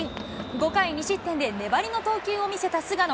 ５回、２失点で粘りの投球を見せた菅野。